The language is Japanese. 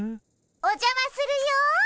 おじゃまするよ。